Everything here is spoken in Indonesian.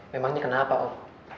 memangnya kenapa om